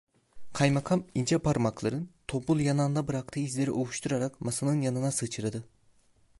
Kaymakam ince parmakların tombul yanağında bıraktığı izleri ovuşturarak masanın yanına sıçradı.